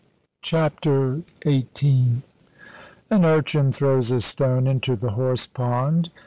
CHAPTER XVIII An urchin throws a stone into the horse pond.